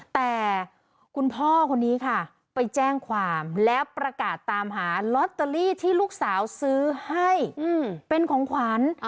แต่คุณพ่อคนนี้ค่ะไปแจ้งความแล้วประกาศตามหาลอตเตอรี่ที่ลูกสาวซื้อให้เป็นของขวัญ